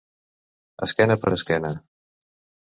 Esquena per esquena.